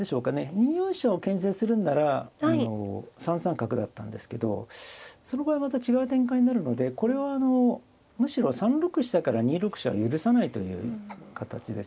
２四飛車をけん制するんなら３三角だったんですけどその場合また違う展開になるのでこれはむしろ３六飛車から２六飛車は許さないという形ですね。